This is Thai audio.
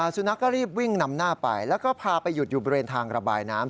สุนัขก็รีบวิ่งนำหน้าไปแล้วก็พาไปหยุดอยู่บริเวณทางระบายน้ำ